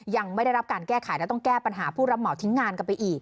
ยังไม่ได้รับการแก้ไขและต้องแก้ปัญหาผู้รับเหมาทิ้งงานกันไปอีก